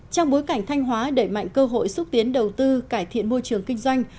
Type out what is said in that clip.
trong bối cảnh thanh hóa đẩy mạnh cơ hội xúc tiến đầu tư cải thiện môi trường kinh doanh